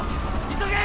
急げ！